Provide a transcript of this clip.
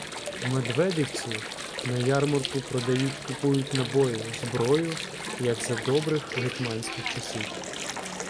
В Медведівці на ярмарку продають-купують набої, зброю, як за добрих гетьманських часів.